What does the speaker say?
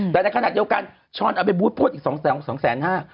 แต่ในขณะเดียวกันช้อนเอาไปบูธโพสต์อีกสองแสนห้า